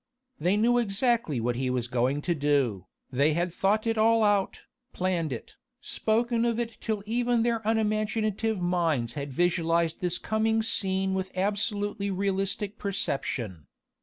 They knew exactly what he was going to do, they had thought it all out, planned it, spoken of it till even their unimaginative minds had visualised this coming scene with absolutely realistic perception.